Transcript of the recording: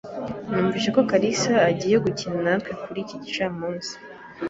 Numvise ko kalisa agiye gukina natwe kuri iki gicamunsi.